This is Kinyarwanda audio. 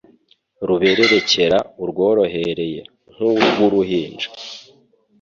rubererekera urworohereye nk' urw' uruhinja.